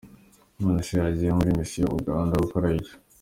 None se wagiye muri mission Uganda gukorayo iki?